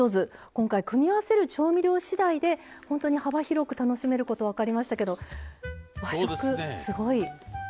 今回組み合わせる調味料次第で本当に幅広く楽しめること分かりましたけど和食すごい幅が広い。